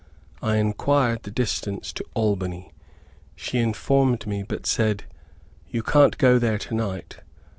I inquired the distance to Albany. She informed me, but said, "You can't go there to night."